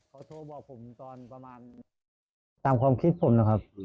เขาโทรบอกผมตอนประมาณตามความคิดผมนะครับ